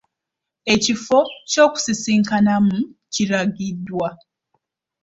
Ekifo ky'okusisinkanamu kirangiriddwa.